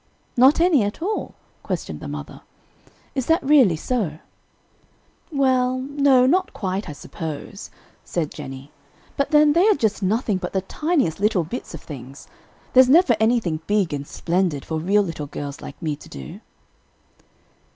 "Not any at all?" questioned the mother. "Is that really so?" "Well, no, not quite, I suppose," said Jennie, "but then they are just nothing but the tiniest little bits of things. There's never anything big and splendid for real little girls like me to do.